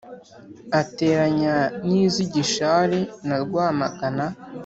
ateranya n’iz’i gishari na rwamagana